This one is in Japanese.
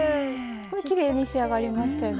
きれいに仕上がりましたよね。